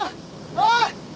おい！